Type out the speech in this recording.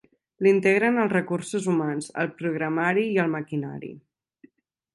L'integren els recursos humans, el programari i el maquinari.